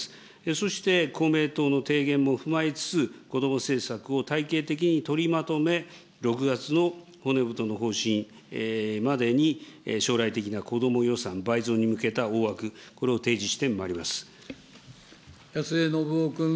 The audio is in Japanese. そして公明党の提言も踏まえつつ、子ども政策を体系的に取りまとめ、６月の骨太の方針までに将来的な子ども予算倍増に向けた大枠、こ安江伸夫君。